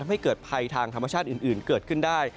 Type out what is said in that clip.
ให้เกิดภัยทางธรรมชาติอื่นเกิดขึ้นได้